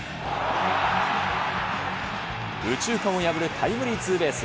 右中間を破るタイムリーツーベース。